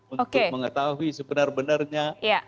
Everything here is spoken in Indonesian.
untuk mengetahui sebenarnya